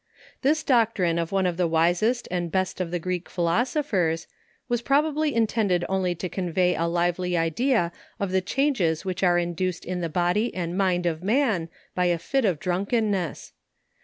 This doctrine of one of the wisest and best of the Greek Philosophers, was probably intended only to convey a lively idea of the changes which are induced in the body and mind of man by a fit of drunkenness.